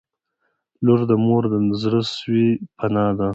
• لور د مور د زړسوي پناه ده.